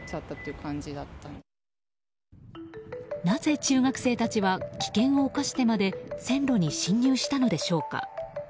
なぜ中学生たちは危険を冒してまで線路に進入したのでしょうか。